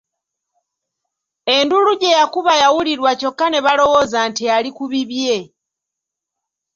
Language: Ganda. Enduulu gye yakuba yawulirwa kyokka ne balowooza nti ali ku bibye.